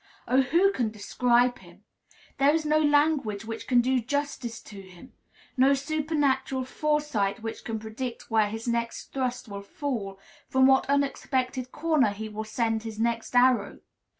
Oh, who can describe him? There is no language which can do justice to him; no supernatural foresight which can predict where his next thrust will fall, from what unsuspected corner he will send his next arrow.